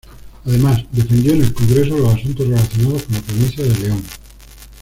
Además, defendió en el Congreso los asuntos relacionados con la provincia de León.